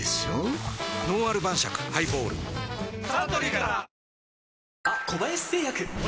「のんある晩酌ハイボール」サントリーから！